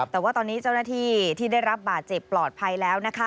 แต่ว่าตอนนี้เจ้าหน้าที่ที่ได้รับบาดเจ็บปลอดภัยแล้วนะคะ